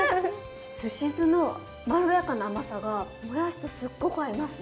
すし酢のまろやかな甘さがもやしとすっごく合いますね。